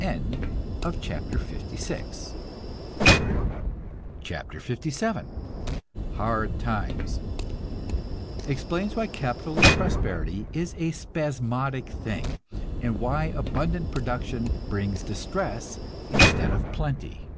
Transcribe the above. CHAPTER LVII HARD TIMES (Explains why capitalist prosperity is a spasmodic thing, and why abundant production brings distress instead of plenty.)